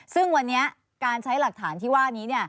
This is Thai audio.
ซึ่งวันนี้การใช้หลักฐานที่ว่านี้